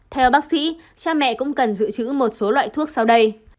theo bác sĩ cha mẹ cũng cần giữ chữ một số loại thuốc sau đây